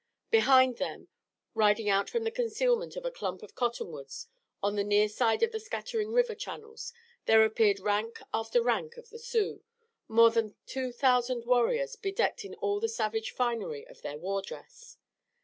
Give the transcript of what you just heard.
Behind them, riding out from the concealment of a clump of cottonwoods on the near side of the scattering river channels, there appeared rank after rank of the Sioux, more than two thousand warriors bedecked in all the savage finery of their war dress.